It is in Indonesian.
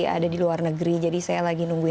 ada di luar negeri jadi saya lagi nungguin